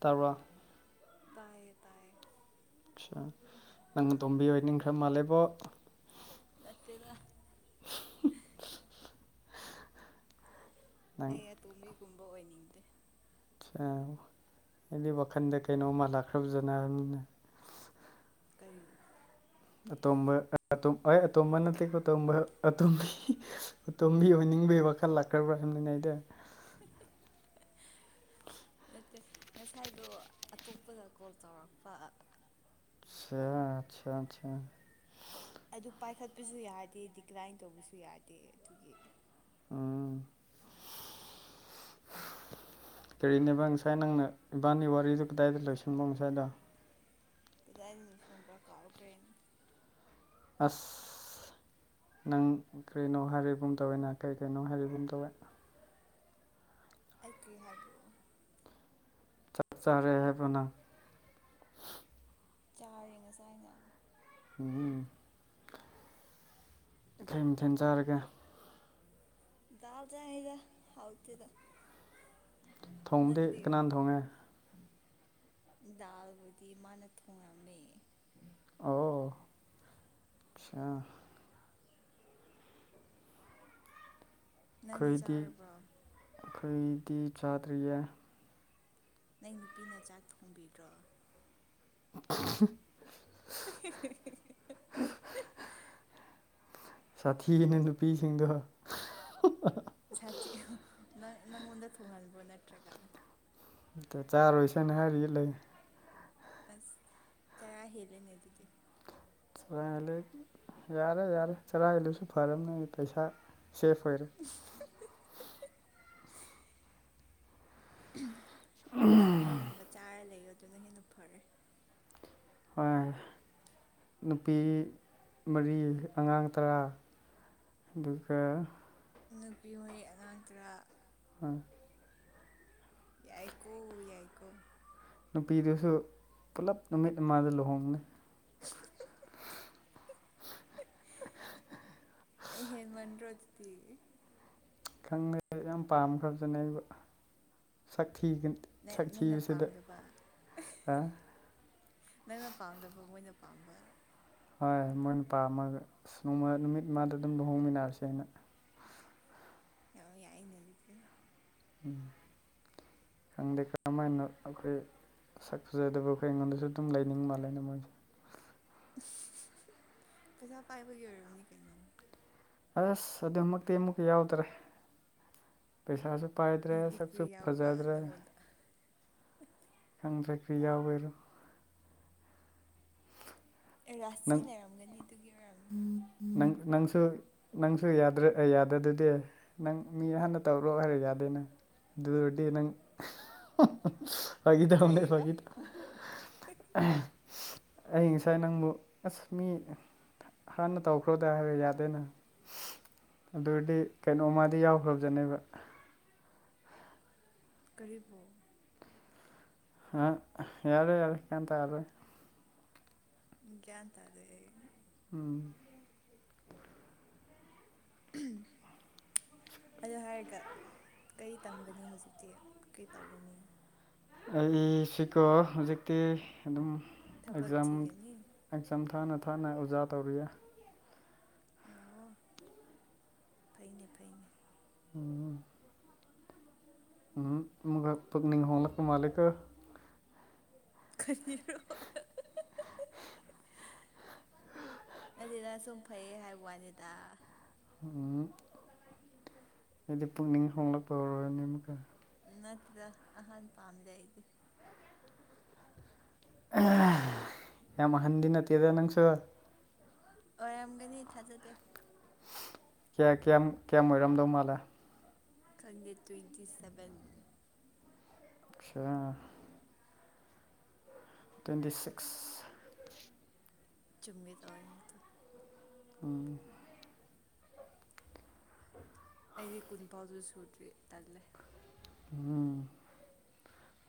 ꯇꯥꯕ꯭ꯔꯥ ꯇꯥꯏꯌꯦ ꯇꯥꯏꯌꯦ ꯆꯥ ꯅꯪ ꯑꯇꯣꯝꯕꯤ ꯑꯣꯏꯅꯤꯡꯈ꯭ꯔ ꯃꯥꯂꯦꯕꯣ ꯅꯠꯇꯦꯗ ꯅꯪ ꯑꯩ ꯑꯇꯣꯝꯕꯤꯒꯨꯝꯕ ꯑꯣꯏꯅꯤꯡꯗꯦ ꯆꯥ ꯑꯩꯗꯤ ꯋꯥꯈꯟꯗ ꯀꯩꯅꯣꯝꯃ ꯂꯥꯛꯈ꯭ꯔꯕꯖꯟꯅ ꯍꯥꯏꯕꯅꯤꯗ ꯀꯔꯤ ꯑꯇꯣꯝꯕ ꯑꯇꯨꯝ ꯑꯣꯏ ꯑꯇꯣꯝꯕ ꯅꯠꯇꯦꯀꯣ ꯇꯣꯝꯕ ꯑꯇꯣꯝꯕꯤ ꯑꯇꯣꯝꯕꯤ ꯑꯣꯏꯅꯤꯡꯕꯩ ꯋꯥꯈꯜ ꯂꯥꯛꯈ꯭ꯔꯕ꯭ꯔꯥ ꯍꯪꯂꯤꯉꯩꯗ [inaudible] ꯅꯠꯇꯦ ꯉꯁꯥꯏꯗꯣ ꯑꯇꯣꯞꯄꯗ ꯀꯣꯜ ꯇꯧꯔꯛꯄ ꯆꯥ ꯑꯆꯥ ꯑꯆꯥ ꯑꯗꯨ ꯄꯥꯏꯈꯠꯄꯁꯨ ꯌꯥꯗꯦ ꯗꯤꯀꯔꯥꯏꯟ ꯇꯧꯕꯁꯨ ꯌꯥꯗꯦ ꯑꯗꯨꯒꯤ ꯑꯥ ꯀꯔꯤꯅꯦꯕ ꯉꯁꯥꯏ ꯅꯪꯅ ꯏꯕꯥꯅꯤ ꯋꯥꯔꯤꯗꯨ ꯀꯗꯥꯏꯗ ꯂꯣꯏꯁꯟꯕ ꯉꯁꯥꯏꯗꯣ ꯀꯗꯥꯏꯗ ꯂꯣꯏ ꯁꯟꯕ꯭ꯔ ꯀꯥꯎꯈ꯭ꯔꯦ ꯑꯁ ꯅꯪ ꯀꯔꯤꯅꯣ ꯍꯥꯏꯔꯤꯕꯨꯝ ꯇꯧꯋꯦ ꯅ ꯀꯩ ꯀꯩꯅꯣ ꯍꯥꯏꯔꯤꯕꯒꯨꯝ ꯇꯧꯋꯦ ꯑꯩ ꯀꯔꯤ ꯍꯥꯏꯕ꯭ꯔꯣ ꯆꯥꯛ ꯆꯥꯔꯦ ꯍꯥꯏꯕ꯭ꯔꯣ ꯅꯪ ꯆꯥꯔꯦ ꯉꯁꯥꯏꯅ ꯎꯝ ꯃꯊꯦꯟ ꯃꯊꯦꯟ ꯆꯥꯔꯒꯦ ꯗꯥꯜ ꯆꯥꯑꯦꯗ ꯍꯥꯎ ꯇꯦꯗ ꯊꯣꯡꯕꯗꯤ ꯀꯅꯥꯅ ꯊꯣꯡꯉꯦ ꯗꯥꯜꯕꯨꯗꯤ ꯃꯥꯅ ꯊꯣꯡꯂꯝꯃꯦ ꯑꯣ ꯑꯆꯥ ꯅꯪꯗꯤ ꯑꯩꯈꯣꯏꯗꯤ ꯆꯥꯔꯕ꯭ꯔꯣ ꯑꯩꯈꯣꯏꯗꯤ ꯆꯥꯗ꯭ꯔꯤꯌꯦ ꯅꯪ ꯅꯨꯄꯤꯅ ꯆꯥꯛ ꯊꯣꯡꯕꯤꯗ꯭ꯔꯣ [inaudible] [inaudible] [inaudible] ꯁꯥꯊꯤꯅꯦ ꯅꯨꯄꯤꯁꯤꯡꯗꯣ ꯁꯥꯊꯤ ꯅꯪ ꯅꯪꯉꯣꯟꯗ ꯊꯣꯡꯍꯟꯕ꯭ꯔꯣ ꯅꯠꯇ꯭ꯔꯒ ꯑꯇꯩ ꯆꯥꯔꯣꯏꯁꯦꯅ ꯍꯥꯏꯔꯤ ꯂꯩ ꯑꯁ ꯆꯔꯥ ꯍꯦꯜꯂꯦꯅꯦ ꯑꯗꯨꯗꯤ ꯆꯔꯥ ꯍꯦꯜꯂꯦ ꯌꯥꯔꯦ ꯌꯥꯔꯦ ꯆꯔꯥ ꯍꯦꯜꯂꯁꯨ ꯐꯔꯕꯅꯦ ꯑꯩ ꯄꯩꯁꯥ ꯁꯦꯐ ꯑꯣꯏꯔꯦ [inaudible] ꯅꯥꯄꯤꯒꯨꯝꯕ ꯆꯥꯔ ꯂꯩꯌꯣ ꯑꯗꯨꯅ ꯍꯦꯟꯅ ꯐꯔꯦ ꯍꯣꯏ ꯅꯨꯄꯤ ꯃꯔꯤ ꯑꯉꯥꯡ ꯇꯔꯥ ꯑꯗꯨꯒ ꯅꯨꯄꯤ ꯍꯣꯏ ꯑꯉꯥꯡ ꯇꯔꯥ ꯍꯣꯏ ꯌꯥꯏꯀꯣ ꯌꯥꯏꯀꯣ ꯅꯨꯄꯤꯗꯨꯁꯨ ꯄꯨꯂꯞ ꯅꯨꯃꯤꯠ ꯑꯃꯗ ꯂꯨꯍꯣꯡꯒꯅꯤ ꯍꯦꯟꯃꯟꯗ꯭ꯔꯣ ꯑꯗꯨꯗꯤ ꯈꯪꯗꯦ ꯌꯥꯝ ꯄꯥꯝꯈ꯭ꯔꯖꯥꯠꯅꯦ ꯑꯩꯕꯨ ꯁꯛ ꯊꯤꯒꯅꯤ ꯅꯦ ꯅꯪꯅ ꯄꯥꯝꯗꯕ ꯅꯪꯅ ꯄꯥꯝꯗꯕ ꯃꯣꯏꯅ ꯄꯥꯝꯕ ꯍꯣꯏ ꯃꯣꯏꯅ ꯄꯥꯝꯃꯒ ꯅꯣꯡꯃ ꯅꯨꯃꯤꯠ ꯑꯃꯗ ꯑꯗꯨꯝ ꯂꯨꯍꯣꯡꯃꯤꯟꯅꯔꯁꯦꯅ ꯌꯥꯝ ꯌꯥꯏꯅꯦ ꯑꯗꯨꯗꯤ ꯎꯝ ꯈꯪꯗꯦ ꯀꯔꯝ ꯍꯥꯏꯅ ꯑꯩꯈꯣꯏ ꯁꯛ ꯐꯖꯗꯕ ꯑꯩꯈꯣꯏ ꯑꯩꯉꯣꯟꯗꯁꯨ ꯑꯗꯨꯝ ꯂꯩꯅꯤꯡ ꯃꯥꯜꯂꯦꯅꯦ ꯃꯣꯏ ꯄꯩꯁꯥ ꯄꯥꯏꯕꯒꯤ ꯑꯣꯏꯔꯝꯅꯤ ꯀꯩꯅꯣ ꯑꯁ ꯑꯗꯨꯃꯛꯇꯤ ꯑꯃꯨꯛꯀ ꯌꯥꯎꯗ꯭ꯔꯦ ꯄꯩꯁꯥꯁꯨ ꯄꯥꯏꯗ꯭ꯔꯦ ꯑꯗꯨꯗꯤ ꯀ꯭ꯔꯤ ꯁꯛꯁꯨ ꯌꯥꯎꯕ ꯐꯖꯗ꯭ꯔꯦ ꯅꯪꯉꯣꯟꯗ ꯈꯪꯗ꯭ꯔꯦ ꯀ꯭ꯔꯤ ꯌꯥꯎ ꯕꯩꯔꯣ ꯑꯦ ꯔꯥꯁꯤ ꯅꯪ ꯂꯩꯔꯝꯒꯅꯤ ꯑꯗꯨꯒꯤ ꯑꯣꯏꯔꯝꯅꯤ ꯅꯪ ꯅꯪꯁꯨ ꯅꯪꯁꯨ ꯌꯥꯗ꯭ꯔꯦ ꯑꯩ ꯌꯥꯗꯗꯨꯗꯤ ꯅꯪ ꯃꯤ ꯍꯥꯟꯅ ꯇꯧꯔꯣ ꯍꯥꯏꯔ ꯌꯥꯗꯦ ꯅꯪ ꯑꯗꯨ ꯑꯣꯏꯔꯗꯤ ꯅꯪ ꯐꯥꯒꯤ ꯇꯧꯕꯅꯦ ꯀꯩꯕ ꯐꯥꯒꯤ ꯇꯧꯕꯅꯦ ꯑꯩ ꯉꯁꯥꯏ ꯅꯪꯕꯨ ꯑꯁ ꯃꯤ ꯍꯥꯟꯅ ꯇꯧꯈ꯭ꯔꯣꯗ ꯍꯥꯏꯔ ꯌꯥꯗꯦꯅ ꯑꯗꯨꯗꯤ ꯀꯩꯅꯣꯝꯃꯥꯗꯤ ꯌꯥꯎꯈ꯭ꯔꯕꯖꯥꯠꯅꯦꯕ ꯀꯔꯤꯕꯨ ꯍꯥ ꯌꯥꯔꯦ ꯌꯥꯔꯦ ꯒ꯭ꯌꯥꯟ ꯇꯥꯔꯣꯏ ꯒ꯭ꯌꯥꯟ ꯇꯥꯗꯦ ꯑꯩ ꯎꯝ [inaudible] ꯑꯗꯨ ꯍꯥꯏꯔꯒ ꯀꯔꯤ ꯇꯝꯒꯅꯤ ꯍꯧꯖꯤꯛꯇꯤ ꯀꯔꯤ ꯇꯧꯒꯅꯤ ꯑꯩ ꯁꯤꯀꯣ ꯍꯧꯖꯤꯛꯇꯤ ꯑꯗꯨꯝ ꯊꯕꯛ ꯑꯦꯛꯖꯥꯝ ꯊꯤꯒꯅꯤ ꯑꯦꯛꯖꯥꯝ ꯊꯥꯅ ꯊꯥꯅ ꯑꯣꯖꯥ ꯇꯧꯔꯤꯌꯦ ꯑꯣ ꯐꯩꯅꯦ ꯐꯩꯅꯦ ꯎꯝ ꯎꯝ ꯑꯃꯨꯛꯀ ꯄꯨꯛꯅꯤꯡ ꯍꯣꯡꯂꯛꯄ ꯃꯥꯂꯦꯀꯣ ꯀꯔꯤꯔꯣ ꯅꯠꯇꯦꯗ ꯁꯨꯝ ꯐꯩꯌꯦ ꯍꯥꯏꯕ ꯋꯥꯅꯦꯗ ꯎꯝ ꯑꯩꯗꯤ ꯄꯨꯛꯅꯤꯡ ꯍꯣꯡꯂꯛꯄ [unintelligible] ꯑꯃꯨꯛꯀ ꯅꯠꯇꯦꯗ ꯑꯍꯟ ꯄꯥꯝꯗꯦ ꯑꯩꯗꯤ ꯌꯥꯝ ꯑꯍꯟꯗꯤ ꯅꯠꯇꯦꯗ ꯅꯪꯁꯨ ꯑꯣꯏꯔꯝꯒꯅꯤ ꯊꯥꯖꯗꯦ ꯀꯌꯥ ꯀꯌꯥꯝ ꯀꯌꯥꯝ ꯑꯣꯏꯔꯝꯗꯧ ꯃꯥꯜꯂꯦ ꯈꯪꯗꯦ ꯇ꯭ꯋꯦꯟꯇꯤ ꯁꯚꯦꯟ ꯑꯁꯥ ꯇ꯭ꯋꯦꯟꯇꯤ ꯁꯤꯛꯁ ꯆꯨꯝꯒꯦ ꯇꯧꯋꯦꯅꯦ ꯇꯨ ꯎꯝ ꯑꯩꯗꯤ ꯀꯨꯟ ꯐꯥꯎꯖꯨ ꯁꯨꯗ꯭ꯔꯤ ꯇꯜꯂꯦ ꯎꯝ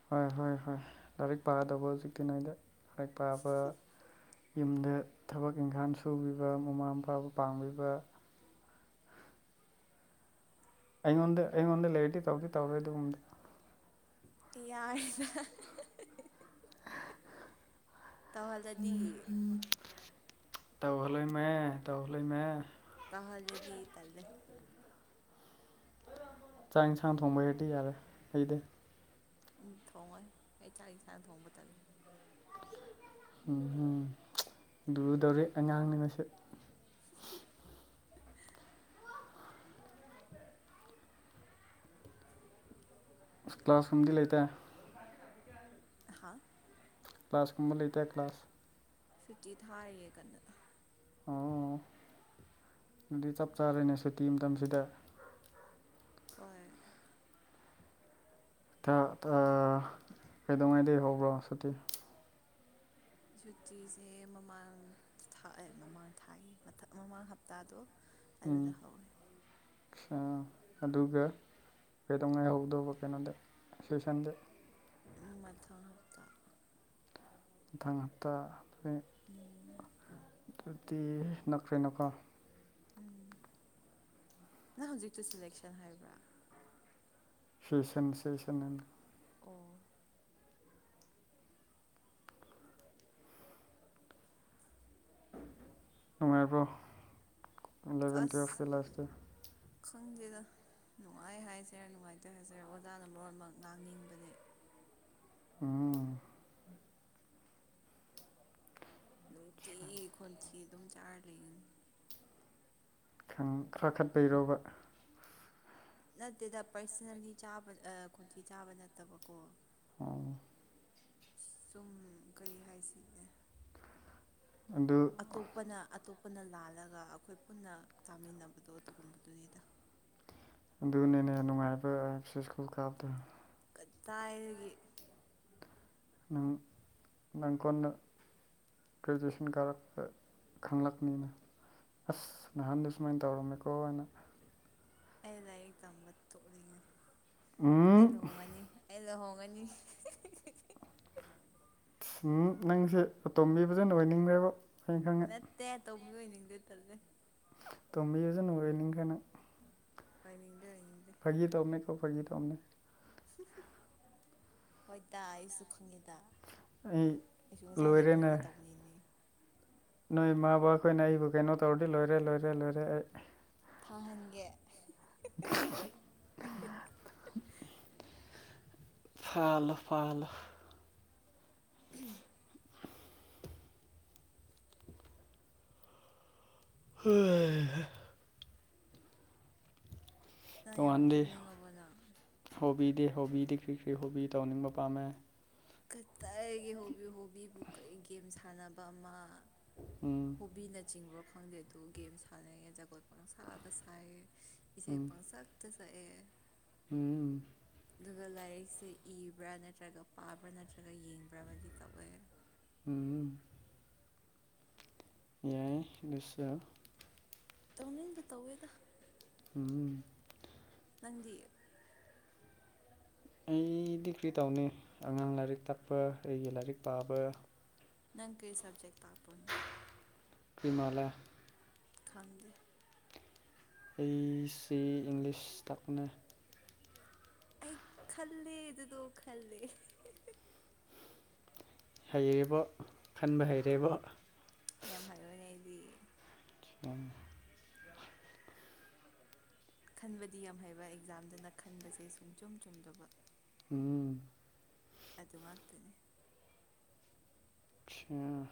ꯍꯣꯏ ꯍꯣꯏ ꯍꯣꯏ ꯂꯥꯔꯤꯛ ꯄꯥꯒꯗꯧꯕ ꯍꯧꯖꯤꯛꯇꯤ ꯅꯣꯏꯗꯤ ꯂꯥꯏꯛ ꯄꯥꯕ ꯌꯨꯝꯗ ꯊꯕꯛ ꯏꯪꯈꯥꯡ ꯁꯨꯕꯤꯕ ꯃꯃꯥ ꯃꯄꯥꯕꯨ ꯄꯥꯡꯕꯤꯕ ꯑꯩꯉꯣꯟꯗ ꯑꯩꯉꯣꯟꯗ ꯂꯩꯔꯗꯤ ꯇꯧꯗꯤ ꯇꯧꯔꯣꯏ ꯑꯗꯨꯒꯨꯝꯕꯗꯣ ꯀꯩꯌꯥꯔꯦꯗ ꯇꯧꯍꯜꯂꯗꯤ ꯇꯧꯍꯜꯂꯣꯏꯃꯦ ꯇꯧꯍꯜꯂꯣꯏꯃꯦ ꯇꯥꯍꯜꯂꯗꯤ ꯇꯜꯂꯦ ꯆꯥꯛ ꯏꯟꯁꯥꯡ ꯊꯣꯡꯕ ꯍꯩꯔꯗꯤ ꯌꯥꯔꯦ ꯑꯩꯗꯤ ꯎꯝ ꯊꯣꯡꯉꯣꯏ ꯑꯩ ꯆꯥꯛ ꯏꯟꯁꯥꯡ ꯊꯣꯡꯕ ꯇꯜꯂꯦ ꯎꯝꯍꯨꯝ ꯂꯨꯒꯗꯧꯔꯤ ꯑꯉꯥꯡꯅꯦ ꯃꯁꯦ [unintelligible] ꯀ꯭ꯂꯥꯁ ꯀꯨꯝꯗꯤ ꯂꯩꯇꯦ ꯑꯍꯥ ꯀ꯭ꯂꯥꯁ ꯀꯨꯝꯕ ꯂꯩꯇꯦ ꯀ꯭ꯂꯥꯁ ꯁꯨꯇꯤ ꯊꯥꯔꯤꯌꯦ ꯀꯟꯅ ꯑꯣ ꯗꯨꯗꯤ ꯆꯞ ꯆꯥꯔꯦꯅꯦ ꯁꯨꯇꯤ ꯃꯇꯝꯁꯤꯗ ꯍꯣꯏ ꯊꯥ ꯑꯥ ꯀꯩꯗꯧꯉꯩꯗꯩ ꯍꯧꯕ꯭ꯔꯣ ꯁꯨꯇꯤ ꯁꯨꯇꯤꯖꯦ ꯃꯃꯥꯡ ꯊꯥ ꯑꯦ ꯃꯃꯥꯡ ꯊꯥꯌꯦ ꯃꯊꯛ ꯃꯃꯥꯡ ꯍꯞꯇꯥꯗꯣ ꯎꯝ ꯑꯗꯨꯗ ꯍꯧꯋꯦ ꯁꯥ ꯑꯗꯨꯒ ꯀꯩꯗꯧꯉꯩ ꯍꯧꯗꯧꯕ ꯀꯩꯅꯣꯗꯤ ꯁꯦꯁꯟꯗꯤ ꯎꯝ ꯃꯊꯪ ꯍꯞꯇꯥ ꯃꯊꯪ ꯍꯞꯇꯥ ꯎꯝ ꯑꯗꯨꯗꯤ ꯅꯛꯈ꯭ꯔꯦꯅꯀꯣ ꯎꯝ ꯅꯪ ꯍꯧꯖꯤꯛꯇꯨ ꯁꯂꯦꯛꯁꯟ ꯍꯥꯏꯕ꯭ꯔꯥ ꯐꯦꯁꯟ ꯁꯦꯁꯟ ꯍꯥꯏꯝꯅꯦ ꯑꯣ ꯅꯨꯡꯉꯥꯏꯕ꯭ꯔꯣ ꯑꯦꯂꯚꯦꯟ ꯑꯁ ꯇꯨꯌꯦꯜꯐꯀꯤ ꯂꯥꯏꯐꯇ ꯈꯪꯗꯦꯗ ꯅꯨꯡꯉꯥꯏ ꯍꯥꯏꯁꯦꯔ ꯅꯨꯡꯉꯥꯏꯇꯦ ꯍꯥꯏꯁꯦꯔ ꯑꯣꯖꯥꯅ ꯃꯔꯣꯟꯃꯥ ꯉꯥꯡꯅꯤꯡꯕꯅꯦ ꯎꯝ꯫ ꯅꯨꯡꯇꯤꯒꯤ ꯈꯣꯟꯊꯤ ꯑꯗꯨꯝ ꯆꯔꯥ ꯂꯩꯒꯅꯤ ꯈꯪ ꯀꯥꯈꯠꯄꯩꯔꯣꯕ ꯅꯠꯇꯦꯗ ꯄꯔꯁꯅꯦꯜꯂꯤ ꯆꯥꯕ ꯑꯥ ꯈꯣꯟꯊꯤ ꯆꯥꯕ ꯅꯠꯇꯕꯀꯣ ꯑ ꯁꯨꯝ ꯀꯩ ꯍꯥꯏꯁꯤꯒꯦ ꯑꯗꯨ ꯑꯇꯣꯞꯄꯅ ꯑꯇꯣꯞꯄꯅ ꯂꯥꯜꯂꯒ ꯑꯩꯈꯣꯏ ꯄꯨꯟꯅ ꯀꯥꯃꯤꯟꯅꯕꯗꯣ ꯑꯗꯨꯒꯨꯝꯕꯗꯨꯅꯤꯗ ꯑꯗꯨꯅꯤꯅꯦ ꯅꯨꯡꯉꯥꯏꯕꯁꯦ ꯁ꯭ꯀꯨꯜ ꯀꯥꯕꯗ ꯀꯗꯥꯏꯗꯒꯤ ꯅꯪ ꯅꯪ ꯀꯣꯟꯅ ꯒ꯭ꯔꯦꯖꯨꯑꯦꯁꯟ ꯀꯥꯔꯝꯗꯥꯏ ꯈꯪꯂꯛꯀꯅꯤ ꯑꯁ ꯅꯍꯥꯟꯗ ꯁꯨꯃꯥꯏꯅ ꯇꯧꯔꯝꯃꯦꯀꯣ ꯍꯥꯏꯅ ꯑꯩ ꯂꯥꯏꯔꯤꯛ ꯇꯝꯕ ꯇꯣꯛꯅꯤꯡꯉꯦ ꯑꯩ ꯎꯝ ꯂꯨꯍꯣꯡꯉꯥꯅꯤ ꯑꯩ ꯂꯨꯍꯣꯡꯉꯥꯅꯤ ꯍꯨꯝ ꯅꯪꯁꯦ ꯑꯇꯣꯝꯕꯤ ꯐꯖꯅꯥ ꯑꯣꯏꯅꯤꯡꯂꯦꯕꯣ ꯅꯠꯇꯦ ꯑꯇꯣꯝꯕꯤ ꯑꯣꯏꯅꯤꯡꯗꯦ ꯇꯜꯂꯦ ꯇꯣꯝꯕꯤ ꯐꯖꯅꯥ ꯑꯣꯏꯅꯤꯡ ꯈꯔꯦ ꯅꯪ ꯑꯣꯏꯅꯤꯡꯗꯦ ꯑꯣꯏꯅꯤꯡꯗꯦ ꯐꯥꯒꯤ ꯇꯧꯅꯦ ꯀꯣ ꯐꯥꯒꯤ ꯇꯧꯅꯦ ꯍꯣꯏ ꯗ ꯑꯩꯁꯨ ꯈꯪꯉꯦꯗ ꯑꯩ ꯑꯩꯁꯨ ꯉꯁꯥꯏꯗꯒꯤ ꯂꯣꯏꯔꯦꯅꯦ ꯐꯥꯒꯤ ꯇꯧꯅꯤꯅꯦ ꯅꯣꯏ ꯏꯃꯥ ꯕꯕꯥ ꯑꯩꯈꯣꯏꯅ ꯑꯩꯕꯨ ꯀꯩꯅꯣ ꯇꯧꯔꯗꯤ ꯂꯣꯏꯔꯦ ꯂꯣꯏꯔꯦ ꯂꯣꯏꯔꯦ ꯑꯩ ꯐꯥꯍꯟꯒꯦ [inaudible] ꯐꯥꯍꯜꯂꯣ ꯐꯥꯍꯜꯂꯣ ꯎꯝ꯫ [inaudible] ꯅꯪ ꯌꯥꯝ ꯇꯣꯉꯥꯟꯗꯤ ꯇꯨꯝꯅꯤꯡꯉꯕꯣ ꯅꯪ ꯍꯣꯕꯤꯗꯤ ꯍꯣꯕꯤꯗꯤ ꯀꯔꯤ ꯀꯔꯤ ꯍꯣꯕꯤ ꯇꯧꯅꯤꯡꯕ ꯄꯥꯝꯃꯦ ꯀꯗꯥꯏꯗꯒꯤ ꯍꯣꯕꯤ ꯍꯣꯕꯤꯕꯨ ꯀꯔꯤ ꯒꯦꯝ ꯁꯥꯟꯅꯕ ꯃꯥ ꯎꯝ꯫ ꯕꯤꯅꯆꯤꯡꯕ꯭ꯔꯣ ꯈꯪꯗꯦ ꯑꯗꯨ ꯒꯦꯝ ꯁꯥꯟꯅꯩꯑꯦ ꯖꯥꯒꯣꯏ ꯄꯪꯁꯥꯗ ꯁꯥꯏꯌꯦ ꯏꯁꯩ ꯎꯝ ꯄꯪ ꯁꯛꯇ ꯁꯛꯑꯦ ꯎꯝ꯫ ꯑꯗꯨꯒ ꯂꯥꯏꯔꯤꯛꯁꯦ ꯏꯕ꯭ꯔꯥ ꯅꯠꯇ꯭ꯔꯥꯒ ꯄꯥꯕ꯭ꯔꯥ ꯅꯠꯇ꯭ꯔꯥꯒ ꯌꯦꯡꯕ꯭ꯔꯥ ꯑꯃꯗꯤ ꯇꯧꯋꯦ ꯎꯝ꯫ ꯌꯥꯏꯌꯦꯗꯨꯁꯨ ꯇꯧꯅꯤꯡꯕ ꯇꯧꯋꯦꯗꯥ ꯎꯝ꯫ ꯅꯪꯗꯤ ꯑꯩꯗꯤ ꯀꯔꯤ ꯇꯧꯅꯤ ꯑꯉꯥꯡ ꯂꯥꯏꯔꯤꯛ ꯇꯥꯛꯄ ꯑꯩꯒꯤ ꯂꯥꯏꯔꯤꯛ ꯄꯥꯕ ꯅꯪ ꯀꯩ ꯁꯕ꯭ꯖꯦꯛ ꯇꯥꯛꯄ꯭ꯔꯣꯅꯦ ꯀꯔꯤ ꯃꯥꯜꯂꯦ ꯈꯪꯗꯦ ꯑꯩ ꯁꯤ ꯏꯪꯂꯤꯁ ꯇꯥꯛꯄꯅꯦ ꯑꯩ ꯈꯜꯂꯦ ꯗꯨꯗꯣ ꯈꯜꯂꯦ ꯍꯩꯔꯦꯕꯣ ꯈꯟꯕ ꯍꯩꯔꯦꯕꯣ ꯌꯥꯝ ꯍꯩꯕꯅꯦ ꯑꯩꯗꯤ [unintelligible] ꯈꯟꯕꯗꯤ ꯌꯥꯝ ꯍꯩꯕ ꯑꯦꯛꯖꯥꯝꯗꯅ ꯈꯟꯕꯖꯦ ꯁꯨꯡꯆꯨꯝ ꯆꯨꯝꯗꯕ ꯎꯝ ꯑꯗꯨ ꯉꯥꯛꯇꯅꯤ ꯁꯌ꯭ꯥ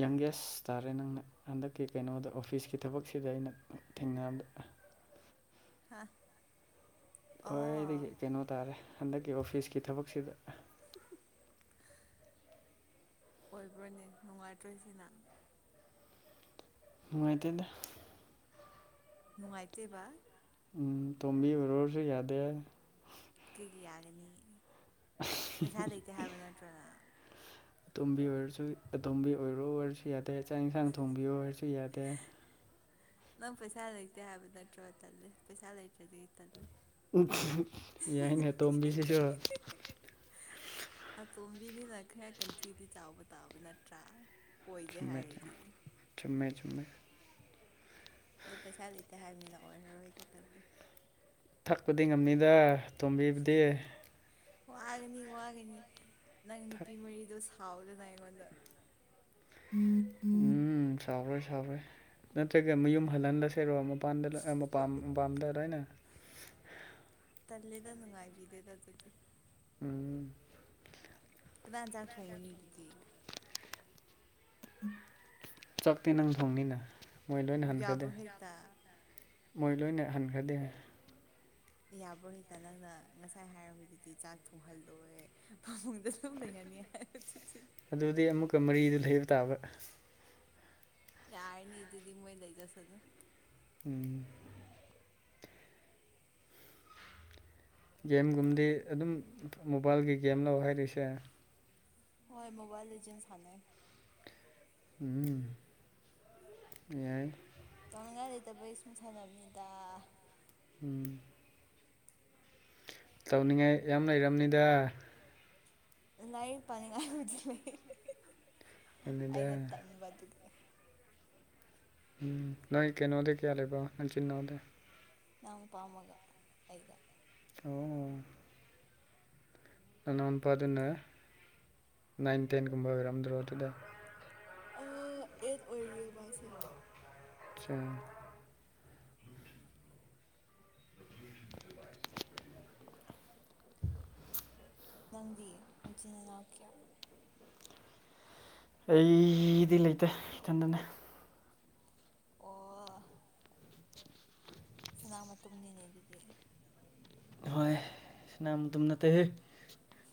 ꯌꯪꯒꯦꯁ ꯇꯥꯔꯦ ꯅꯪꯅ ꯍꯟꯗꯛꯀꯤ ꯀꯩꯅꯣꯗ ꯑꯣꯐꯤꯁꯀꯤ ꯊꯕꯛꯁꯤꯗ ꯑꯩꯅ ꯊꯦꯡꯅꯕꯗ ꯍꯥ ꯑꯣ ꯈ꯭ꯋꯥꯏꯗꯒꯤ ꯀꯩꯅꯣ ꯇꯥꯔꯦ ꯍꯟꯗꯛꯀꯤ ꯑꯣꯐꯤꯁꯀꯤ ꯊꯕꯛꯁꯤꯗ ꯑꯣꯏꯕ꯭ꯔꯣꯅꯦ ꯅꯨꯡꯉꯥꯏꯇ꯭ꯔꯣ ꯁꯤꯅ ꯅꯨꯡꯉꯥꯏꯇꯦꯗ ꯅꯨꯡꯉꯥꯏꯇꯦꯕꯥ ꯎꯝ ꯇꯣꯝꯕꯤ ꯑꯣꯏꯔꯣꯁꯨ ꯌꯥꯗꯦ ꯀꯩꯒꯤ ꯌꯥꯒꯅꯤ ꯄꯩꯁꯥ ꯂꯩꯇꯦ ꯍꯥꯏꯕ ꯅꯠꯇ꯭ꯔꯣ ꯅꯪ ꯑꯇꯣꯝꯕꯤ ꯑꯣꯏꯔꯁꯨ ꯑꯇꯣꯝꯕꯤ ꯑꯣꯏꯔꯣ ꯍꯥꯏꯔꯁꯨ ꯌꯥꯗꯦ ꯆꯥꯛ ꯏꯟꯁꯥꯡ ꯊꯣꯡꯕꯤꯌꯨ ꯍꯥꯏꯔꯁꯨ ꯌꯥꯗꯦ ꯅꯪ ꯄꯩꯁꯥ ꯂꯩꯇꯦ ꯍꯥꯏꯕ ꯅꯠꯇ꯭ꯔꯣ ꯇꯜꯂꯦ ꯄꯩꯁꯥ ꯂꯩꯇ꯭ꯔꯗꯤ ꯇꯜꯂꯦ ꯎꯝ ꯌꯥꯏꯅꯦ ꯑꯇꯣꯝꯕꯤꯁꯤꯁꯨ ꯑꯇꯣꯝꯕꯤꯅꯤꯅ ꯈꯔ ꯀꯟꯊꯤꯗꯤ ꯆꯥꯎꯕ ꯇꯥꯕ ꯅꯠꯇ꯭ꯔꯥ ꯑꯣꯏꯒꯦ ꯆꯨꯝꯃꯦ ꯆꯨ ꯍꯥꯏꯔꯗꯤ ꯆꯨꯝꯃꯦ ꯆꯨꯝꯃꯦ ꯑꯗꯨ ꯄꯩꯁꯥ ꯂꯩꯇꯦ ꯍꯥꯏꯕꯅꯤꯅ ꯑꯣꯏꯔꯔꯣꯏꯒꯦ ꯇꯜꯂꯦ ꯊꯛꯄꯗꯤ ꯉꯝꯅꯤꯗ ꯇꯣꯝꯕꯤꯕꯨꯗꯤ ꯋꯥꯒꯅꯤ ꯋꯥꯒꯅꯤ ꯅꯪ ꯅꯨꯄꯤ ꯃꯔꯤꯗꯣ ꯁꯥꯎꯗꯅ ꯑꯩꯉꯣꯟꯗ ꯎꯝ ꯁꯥꯎꯔꯣꯏ ꯁꯥꯎꯔꯣꯏ ꯅꯠꯇ꯭ꯔꯒ ꯃꯌꯨꯝ ꯍꯜꯍꯟꯂꯁꯦꯔꯣ ꯑꯃꯨꯛ ꯄꯥꯟꯗ ꯑ ꯃꯄꯥꯝ ꯃꯄꯥꯝꯗ ꯂꯣꯏꯅ ꯇꯜꯂꯦꯗ ꯅꯨꯡꯉꯥꯏꯕꯤꯗꯦꯗ ꯗꯨꯗꯤ ꯎꯝ ꯀꯅꯥꯟ ꯆꯥꯛ ꯊꯣꯡꯒꯅꯤ ꯗꯨꯗꯤ ꯆꯛꯇꯤ ꯅꯪ ꯊꯣꯡꯅꯤꯅ ꯃꯣꯏ ꯂꯣꯏꯅ ꯍꯟꯈ꯭ꯔꯗꯤ ꯌꯥꯕ꯭ꯔꯣ ꯍꯦꯛꯇ ꯃꯣꯏ ꯂꯣꯏꯅ ꯍꯟꯈ꯭ꯔꯗꯤ ꯌꯥꯕ꯭ꯔꯣ ꯍꯦꯛꯇ ꯅꯪꯅ ꯉꯁꯥꯏ ꯍꯥꯏꯔꯝꯃꯤꯗꯨꯗꯤ ꯆꯥꯛ ꯊꯣꯡꯍꯜꯂꯣꯏ ꯐꯃꯨꯡꯗ ꯁꯨꯝ ꯂꯩꯍꯟꯅꯤ ꯍꯥꯏ ꯑꯇꯨꯇꯤ ꯑꯗꯨꯗꯤ ꯑꯃꯨꯛꯀ ꯃꯔꯤꯗꯨ ꯂꯩꯕ ꯇꯥꯕ ꯌꯥꯔꯅꯤ ꯗꯨꯗꯤ ꯃꯣꯏ ꯂꯩꯖꯁꯅꯨ ꯎꯝ ꯒꯦꯝꯒꯨꯝꯕꯗꯤ ꯑꯗꯨꯝ ꯃꯣꯕꯥꯏꯜꯒꯤ ꯒꯦꯝꯂꯣ ꯍꯥꯏꯔꯤꯁꯦ ꯍꯣꯏ ꯃꯣꯕꯥꯏꯜ ꯂꯤꯖꯦꯟ ꯁꯥꯅꯩ ꯎꯝ ꯌꯥꯏ ꯇꯧꯅꯤꯡꯉꯥꯏ ꯂꯩꯇꯕꯩ ꯁꯨꯝ ꯁꯥꯟꯅꯕꯅꯤꯗꯥ ꯎꯝ ꯇꯧꯅꯤꯡꯉꯥꯏ ꯌꯥꯝ ꯂꯩꯔꯝꯅꯤꯗꯥ ꯂꯥꯏꯔꯤꯛ ꯄꯥꯅꯤꯡꯉꯥꯏꯕꯨꯗꯤ ꯂꯩ ꯑꯗꯨꯅꯤꯗ ꯑꯩꯅ ꯇꯟꯕꯗꯨꯒꯤ ꯎꯝ ꯅꯣꯏ ꯀꯩꯅꯣꯗꯤ ꯀꯌꯥ ꯂꯩꯕ ꯅꯆꯤꯟ ꯅꯥꯎꯗꯤ ꯏꯅꯥꯎꯅꯨꯄꯥ ꯑꯃꯒ ꯑꯩꯒ ꯑꯣ ꯅꯅꯥꯎ ꯅꯨꯄꯥꯗꯨꯅ ꯅꯥꯏꯟ ꯇꯦꯟꯒꯨꯝꯕ ꯑꯣꯏꯔꯝꯗ꯭ꯔꯣ ꯑꯗꯨꯗꯤ ꯑ ꯑꯦꯠ ꯑꯣꯏꯔꯤꯌꯦ ꯃꯥꯁꯦ [unintelligible] ꯅꯪꯗꯤ ꯅꯆꯤꯟ ꯅꯅꯥꯎ ꯀꯌꯥ ꯑꯩꯗꯤ ꯂꯩꯇꯦ ꯏꯊꯟꯗꯅꯦ ꯑꯣ ꯁꯅꯥ ꯃꯇꯨꯝꯅꯤꯅꯦ ꯑꯗꯨꯗꯤ ꯍꯣꯏ ꯁꯅꯥ ꯃꯇꯨꯝ ꯅꯠꯇꯦꯍꯦ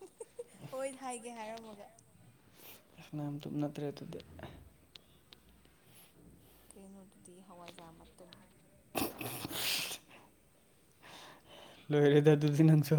[unintelligible] ꯍꯣꯏ ꯍꯥꯏꯒꯦ ꯍꯥꯏꯔꯝꯃꯒ ꯁꯅꯥ ꯃꯇꯨꯝ ꯅꯠꯇ꯭ꯔꯦ ꯑꯗꯨꯗꯤ ꯀꯩꯅꯣꯗꯨꯗꯤ ꯍꯋꯥꯏꯖꯥꯔ ꯃꯇꯨꯝ [unintelligible] ꯂꯣꯏꯔꯦꯗ ꯑꯗꯨꯗꯤ ꯅꯪꯁꯨ